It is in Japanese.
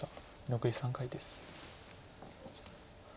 残り３回です。